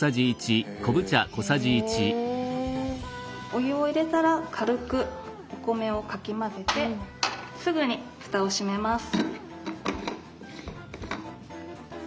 お湯を入れたら軽くお米をかき混ぜてすぐにふたを閉めます。